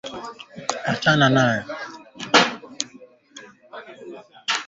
Kuchanjwa na afisa wa afya ya mifugo aliyehitimu